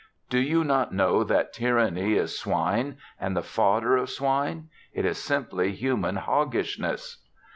Do you not know that Tyranny is swine and the fodder of swine? It is simply human hoggishness.